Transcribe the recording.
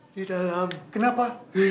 di dalam kenapa